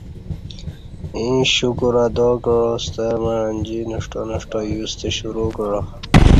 ییں شکر ادا کعا ستمع انجی نُوݜٹہ نُوݜٹہ یوستہ شروع کعا